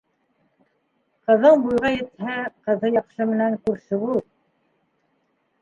Ҡыҙың буйға етһә, ҡыҙы яҡшы менән күрше бул.